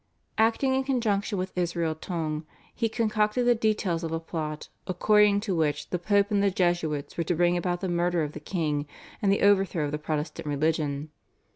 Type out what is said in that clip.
Acting in conjunction with Israel Tonge he concocted the details of a plot, according to which the Pope and the Jesuits were to bring about the murder of the king and the overthrow of the Protestant religion.